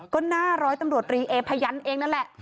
ก็หน้าร้อยตำรวจรีเอพยันเองนั่นแหละ